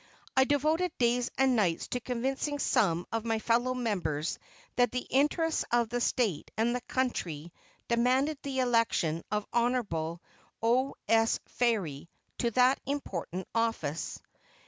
I devoted days and nights to convincing some of my fellow numbers that the interests of the State and the country demanded the election of Hon. O. S. Ferry to that important office.